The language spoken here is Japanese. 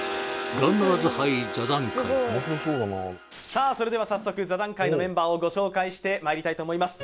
さあそれでは早速座談会のメンバーをご紹介してまいりたいと思います